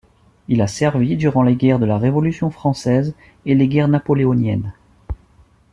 Il a servi durant les guerres de la Révolution française et les guerres napoléoniennes.